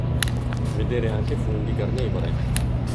Vedere anche funghi carnivori.